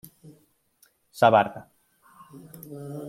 Ça barda.